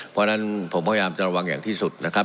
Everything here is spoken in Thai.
เพราะฉะนั้นผมพยายามจะระวังอย่างที่สุดนะครับ